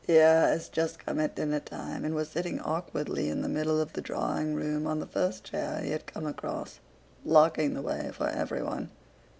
* Hors d'oeuvres. Pierre had come just at dinnertime and was sitting awkwardly in the middle of the drawing room on the first chair he had come across, blocking the way for everyone.